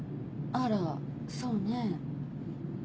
あらそうね。